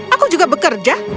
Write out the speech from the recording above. aku juga bekerja